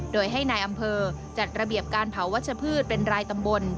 โดยให้นายอำเภอจัดระเบียบการเผาวัชพืชเป็นรายตำบล